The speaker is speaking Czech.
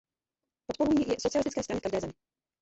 Podporují ji socialistické strany v každé naší zemi.